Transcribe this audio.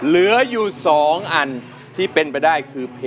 ไม่ใช่มีคนให้พูด